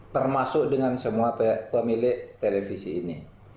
termasuk dengan semua pemilik televisi ini